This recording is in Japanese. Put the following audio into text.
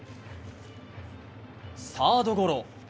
サードゴロ。